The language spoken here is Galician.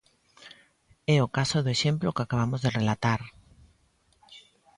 É o caso do exemplo que acabamos de relatar.